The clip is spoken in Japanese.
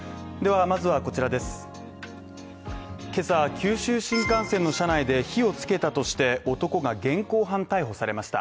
今朝、九州新幹線の車内で火をつけたとして男が現行犯逮捕されました。